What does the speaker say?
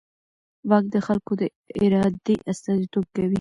واک د خلکو د ارادې استازیتوب کوي.